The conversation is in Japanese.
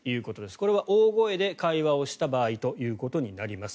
これは大声で会話をした場合ということになります。